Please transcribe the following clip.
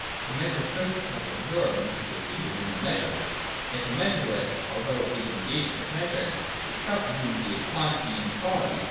But measure shows itself absorbed and super seded in the measureless : yet the measureless, although it be the negation of measure, is itself a unity of quantity and quality.